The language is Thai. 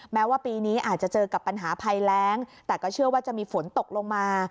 แม้ว่าปีนี้อาจจะเจอกับปัญหาภัยแรงแต่ก็เชื่อว่าจะมีฝนตกลงมา